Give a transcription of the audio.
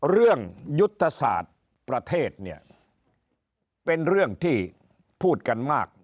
ยุทธศาสตร์ประเทศเนี่ยเป็นเรื่องที่พูดกันมาก